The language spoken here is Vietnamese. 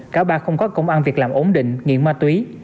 cả ba không có công an việc làm ổn định nghiện ma túy